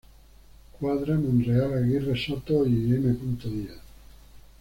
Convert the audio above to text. Cuadra, Monreal, Aguirre, Soto y M. Díaz.